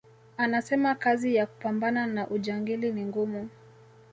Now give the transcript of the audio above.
Anasema kazi ya kupambana na ujangili ni ngumu